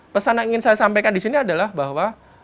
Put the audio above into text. pesan yang ingin saya sampaikan disini adalah bahwa